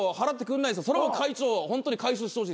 それも会長ホントに回収してほしい。